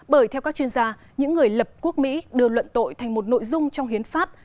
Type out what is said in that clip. bởi theo các chuyên gia những người lập quốc mỹ đưa luận tội thành một nội dung trong hiến pháp